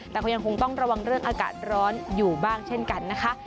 แต่ก็ยังคงต้องระวังเรื่องอากาศร้อนอยู่บ้างเช่นกันนะคะ